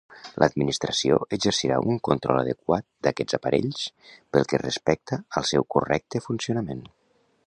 L'Administració exercirà un control adequat d'aquests aparells pel que respecta al seu correcte funcionament.